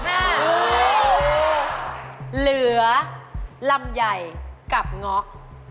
เหลือลำไยกับง๊อก